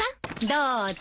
どうぞ。